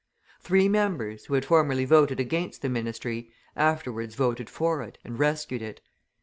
Three members, who had formerly voted against the ministry, afterwards voted for it and rescued it.